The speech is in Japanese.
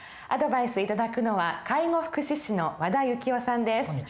アドバイスを頂くのは介護福祉士の和田行男さんです。